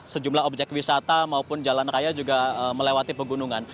sejumlah objek wisata maupun jalan raya juga melewati pegunungan